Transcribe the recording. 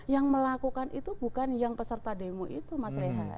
yang melakukan itu bukan yang peserta demo itu mas rehat